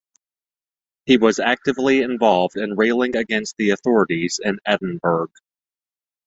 He was actively involved in railing against the authorities in Edinburgh.